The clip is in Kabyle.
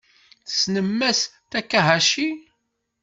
Tessnem Mass Takahashi?